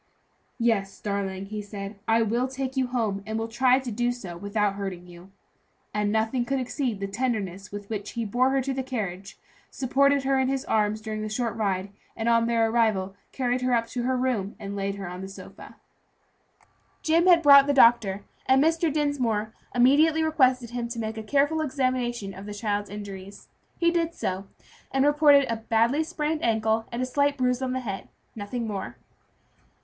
"Yes, darling," he said, "I will take you home and will try to do so without hurting you;" and nothing could exceed the tenderness with which he bore her to the carriage, supported her in his arms during the short ride, and on their arrival carried her up to her room and laid her down upon a sofa. Jim had brought the doctor, and Mr. Dinsmore immediately requested him to make a careful examination of the child's injuries. He did so, and reported a badly sprained ankle, and a slight bruise on the head; nothing more.